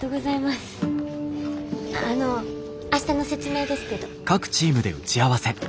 あの明日の説明ですけど。